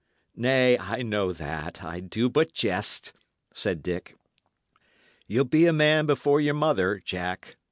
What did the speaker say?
"Nay, I know that; I do but jest," said Dick. "Ye'll be a man before your mother, Jack.